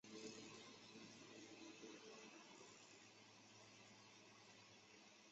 参与这项概念的公司还包括铁路运营商威立雅运输和建筑企业斯堪斯卡。